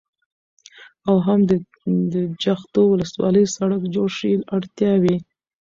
او هم د جغتو ولسوالۍ سړك جوړ شي. اړتياوې: